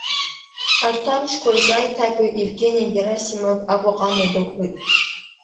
Арҭ амшқәа рзы аиҭагаҩ Евгени Герасимов Аҟәаҟа амҩа дықәлоит.